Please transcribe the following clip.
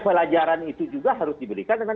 pelajaran itu juga harus diberikan dengan